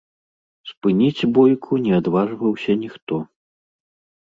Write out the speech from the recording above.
Спыніць бойку не адважваўся ніхто.